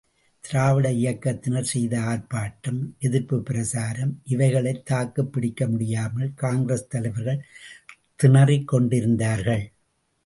திராவிட இயக்கத்தினர் செய்த ஆர்ப்பாட்டம், எதிர்ப்புப் பிரசாரம், இவைகளைத் தாக்குப் பிடிக்க முடியாமல் காங்கிரஸ் தலைவர்கள் திணறிக் கொண்டிருந்தார்கள்.